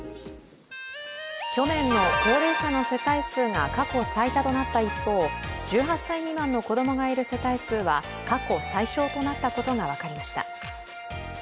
去年の高齢者の世帯数が過去最多となった一方１８歳未満の子供がいる世帯数は過去最少となったことが分かりました。